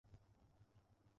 নিশ্চয় এটা উপদেশ বাণী।